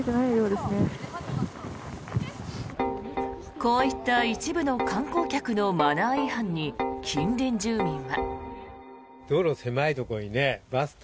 こういった一部の観光客のマナー違反に近隣住民は。